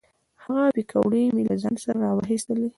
هغه پیکورې مې له ځان سره را واخیستلې.